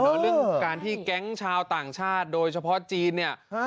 เรื่องการที่แก๊งชาวต่างชาติโดยเฉพาะจีนเนี่ย